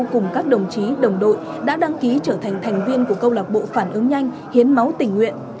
cùng các đồng chí đồng đội đã đăng ký trở thành thành viên của câu lạc bộ phản ứng nhanh hiến máu tình nguyện